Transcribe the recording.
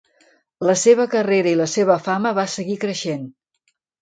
La seva carrera i la seva fama va seguir creixent.